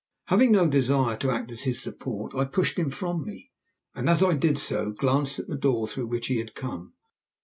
Having no desire to act as his support I pushed him from me, and as I did so glanced at the door through which he had come.